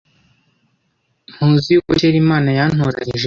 muzi yuko kera Imana yantoranyije